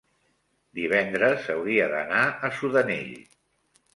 divendres hauria d'anar a Sudanell.